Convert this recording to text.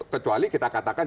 kecuali kita katakan